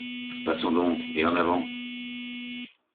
Passons donc, et en avant!